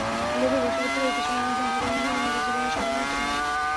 লোভের বশবর্তী হয়ে কিছু মানুষ ধর্ম-কর্ম ভুলে নিজের জীবনের সর্বনাশ ডেকে আনে।